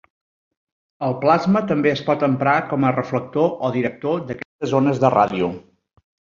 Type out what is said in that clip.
El plasma també es pot emprar com a reflector o director d'aquestes ones de ràdio.